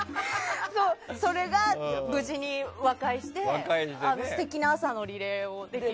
それが無事に和解して素敵な朝のリレーをできるなと。